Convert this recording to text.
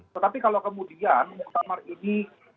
tetapi kalau kemudian muktamar ini